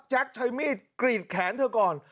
ใช้มีดกรีดแขนเธอก่อน